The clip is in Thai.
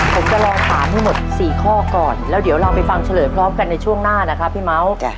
ผมจะลองถามให้หมด๔ข้อก่อนแล้วเดี๋ยวเราไปฟังเฉลยพร้อมกันในช่วงหน้านะครับพี่เมาส์